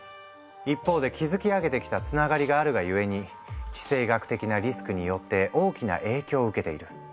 一方で築き上げてきたつながりがあるがゆえに地政学的なリスクによって大きな影響を受けている。